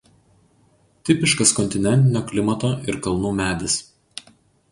Tipiškas kontinentinio klimato ir kalnų medis.